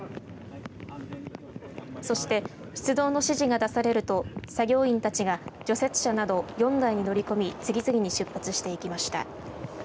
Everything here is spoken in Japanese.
そして、出動の指示が出されると作業員たちが除雪車など４台に乗り込み次々に出発していきました。